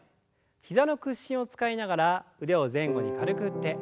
膝の屈伸を使いながら腕を前後に軽く振って。